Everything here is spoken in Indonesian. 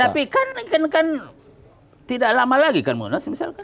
tapi kan tidak lama lagi kan munas misalkan